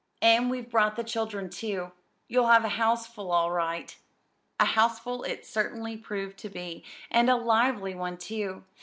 "And we've brought the children, too. You'll have a houseful, all right!" A houseful it certainly proved to be, and a lively one, too.